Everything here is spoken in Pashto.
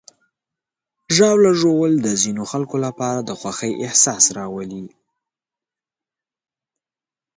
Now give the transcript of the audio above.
ژاوله ژوول د ځینو خلکو لپاره د خوښۍ احساس راولي.